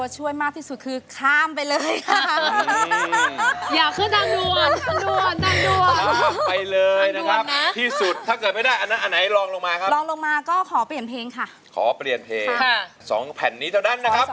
ใช้ตัวช่วยค่ะใช้ตัวช่วย